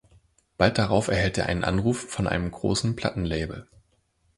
Bald darauf erhält er einen Anruf von einem großen Plattenlabel.